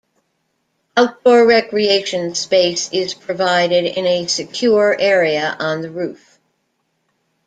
Outdoor recreation space is provided in a secure area on the roof.